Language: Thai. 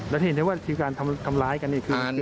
แล้วเห็นไหมว่าชีวิตการทำร้ายกันเนี่ย